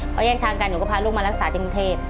พอแยกทางกันหนูก็พาลูกมารักษาจริงเทพ